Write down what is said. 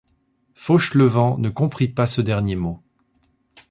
Fauchelevent ne comprit pas ce dernier mot.